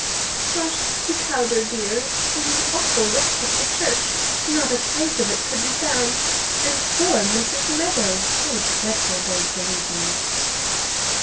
'Crushed to powder, dear, in the awful wreck of the church. Not a trace of it could be found. And poor Mrs. Meadows! So dreadful those delusions.'